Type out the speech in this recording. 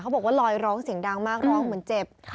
บอกว่าลอยร้องเสียงดังมากร้องเหมือนเจ็บ